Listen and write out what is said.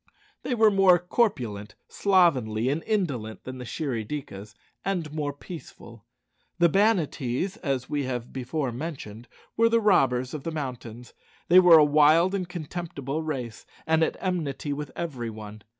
They were more corpulent, slovenly, and indolent than the Shirry dikas, and more peaceful. The Banattees, as we have before mentioned, were the robbers of the mountains. They were a wild and contemptible race, and at enmity with every one.